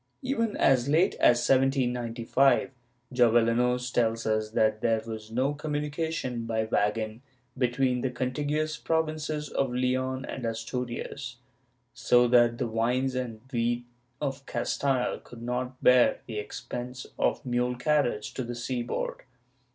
Even as late as 1795, Jovellanos tells us that there was no com munication by wagon between the contiguous provinces of Leon and Asturias, so that the wines and wheat of Castile could not bear the expense of mule carriage to the seaboard.